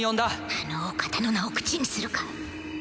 あのお方の名を口にするか？